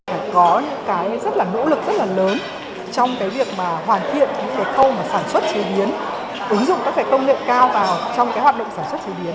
chúng ta phải có nỗ lực rất lớn trong việc hoàn thiện khâu sản xuất chế biến ứng dụng các công nghệ cao vào trong hoạt động sản xuất chế biến